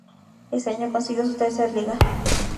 Ese año consiguió su tercera Liga.